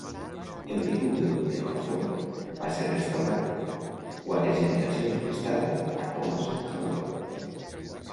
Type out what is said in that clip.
El títol de Duc de Norfolk va ser restaurat, quatre generacions més tard, a Thomas Howard.